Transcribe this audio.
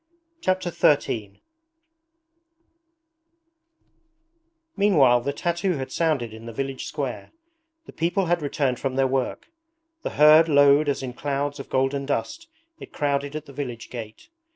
Chapter XIII Meanwhile the tattoo had sounded in the village square. The people had returned from their work. The herd lowed as in clouds of golden dust it crowded at the village gate.